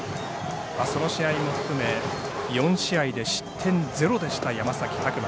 その試合も含め４試合で失点ゼロでした山崎琢磨。